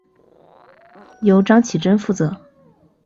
由张启珍负责。